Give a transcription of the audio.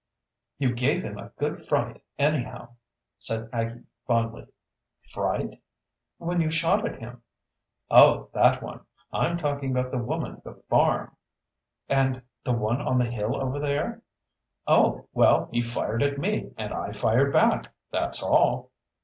"You gave him a good fright anyhow," said Aggie fondly. "Fright?" "When you shot at him." "Oh, that one! I'm talking about the woman at the farm." "And the one on the hill over there?" "Oh! Well, he fired at me and I fired back. That's all."